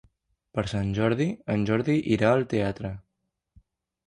Per Sant Jordi en Jordi irà al teatre.